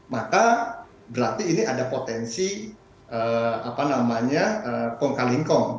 maka berarti ini ada potensi apa namanya pongkal lingkong